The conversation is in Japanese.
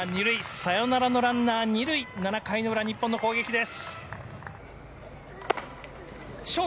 サヨナラのランナー２塁７回裏、日本の攻撃です。